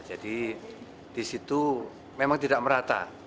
jadi di situ memang tidak merasa